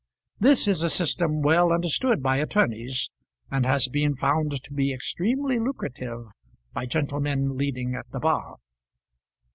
This is a system well understood by attorneys, and has been found to be extremely lucrative by gentlemen leading at the bar.